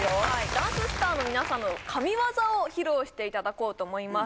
ダンススターの皆さんの神ワザを披露していただこうと思います